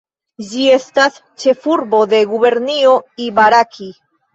Ĝi estas ĉefurbo de gubernio Ibaraki.